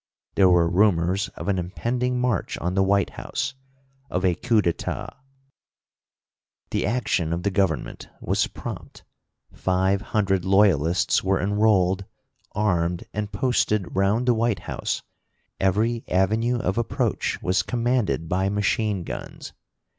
There were rumors of an impending march on the White House, of a coup d'ètat. The action of the Government was prompt. Five hundred loyalists were enrolled, armed, and posted round the White House: every avenue of approach was commanded by machine guns.